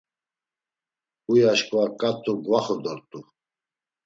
Huy aşǩva ǩat̆u gvaxu dort̆u.